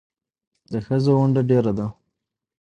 د ښځو ونډه ډېره ده